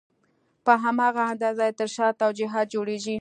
په هماغه اندازه یې تر شا توجیهات جوړېږي.